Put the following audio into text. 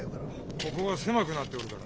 ここが狭くなっておるからな。